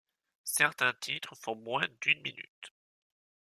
Certains titres font moins d'une minute.